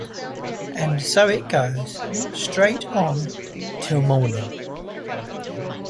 And so it goes, straight on till morning.